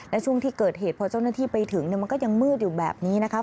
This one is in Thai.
และช่วงที่เกิดเหตุพอเจ้าหน้าที่ไปถึงมันก็ยังมืดอยู่แบบนี้นะคะ